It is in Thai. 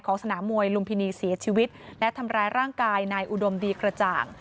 สนามมวยลุมพินีเสียชีวิตและทำร้ายร่างกายนายอุดมดีกระจ่าง